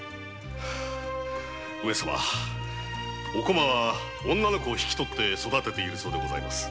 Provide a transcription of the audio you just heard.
お駒は女の子を引き取って育てているそうでございます。